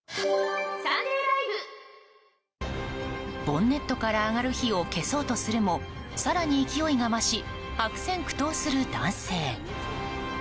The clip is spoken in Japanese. ボンネットから上がる火を消そうとするも更に勢いが増し悪戦苦闘する男性。